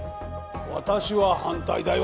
私は反対だよ